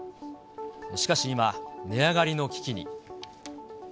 しかし今、値上がりの危機に。